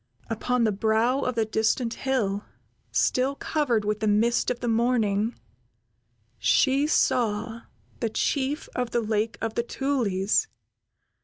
Upon the brow of the distant hill, still covered with the mist of the morning, she saw the Chief of the Lake of the Tulies.